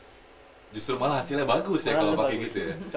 justru malah hasilnya bagus ya kalo pake gitu ya